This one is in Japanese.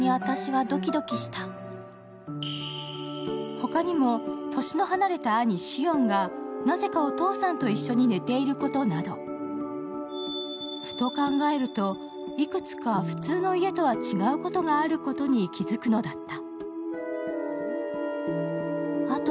他にも年の離れた兄・シオンがなぜかお父さんと一緒に寝ていることなど、ふと考えると、いくつか普通の家とは違うことがあることに気付くのだった。